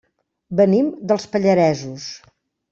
Venim dels Pallaresos.